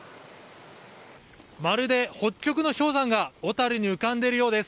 まるで北極の氷山が小樽に浮かんでいるようです。